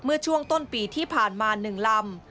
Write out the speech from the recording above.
เมื่อช่วงต้นปีที่ผ่านมา๑ลำ